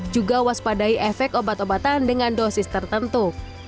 juga waspadai efek obat obatan dengan dosis tertentu